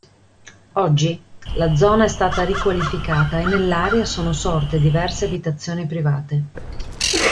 Oggi, la zona è stata riqualificata e nell'area sono sorte diverse abitazioni private.